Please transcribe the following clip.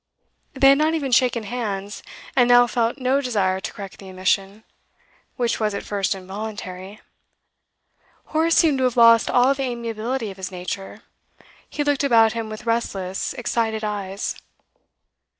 They had not even shaken hands, and now felt no desire to correct the omission, which was at first involuntary. Horace seemed to have lost all the amiability of his nature; he looked about him with restless, excited eyes.